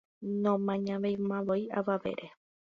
nomañavéimavoi avavére